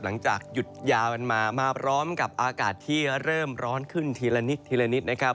หลังจากหยุดยาวกันมามาพร้อมกับอากาศที่เริ่มร้อนขึ้นทีละนิดทีละนิดนะครับ